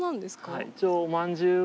はい。